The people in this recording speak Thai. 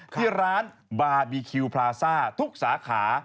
ที่ร้านบาร์บีคิวพลาซ่าทุกสาขา